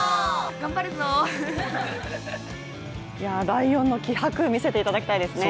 ライオンの気迫、魅せていただきたいですね。